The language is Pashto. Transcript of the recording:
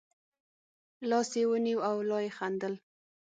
لاس یې ونیو او لا یې خندل.